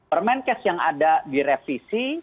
permen kes yang ada direvisi